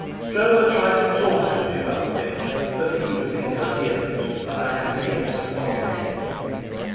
Stroeve tried to talk to me about the picture, but he was incoherent, and I had to guess at what he meant.